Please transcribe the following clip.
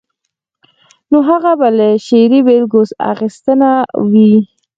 نو هغه به له شعري بېلګو اخیستنه وي.